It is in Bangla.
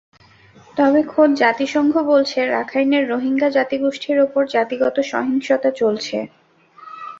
তবে খোদ জাতিসংঘ বলছে, রাখাইনের রোহিঙ্গা জাতিগোষ্ঠীর ওপর জাতিগত সহিংসতা চলছে।